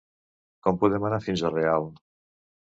Com podem anar fins a Real?